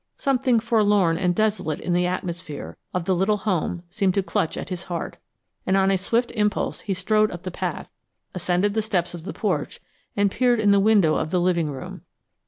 Something forlorn and desolate in the atmosphere of the little home seemed to clutch at his heart, and on a swift impulse he strode up the path, ascended the steps of the porch and peered in the window of the living room.